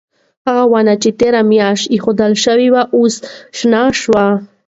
هغه ونې چې تیره میاشت ایښودل شوې وې اوس شنې شوې.